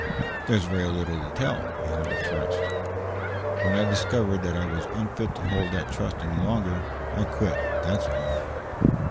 "There's very little to tell. I held a trust. When I discovered that I was unfit to hold that trust any longer, I quit. That's all."